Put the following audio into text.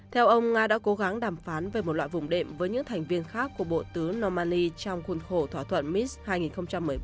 theo ông nga đã cố gắng đàm phán về một loại vùng đệm với những thành viên khác của bộ tứ normandy trong khuôn khổ thỏa thuận minsk hai nghìn một mươi bốn hai nghìn một mươi năm